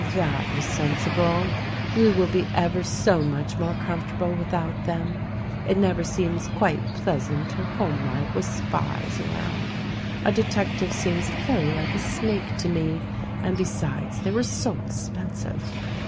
that was sen sible. We will be ever so much more comfortable without them. It never seems quite pleasant or homelike with spies around. A detective seems very like a snake to me — and, besides, they were so expensive.